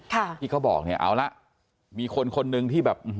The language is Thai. ค่ะที่เขาบอกเนี่ยเอาละมีคนคนหนึ่งที่แบบ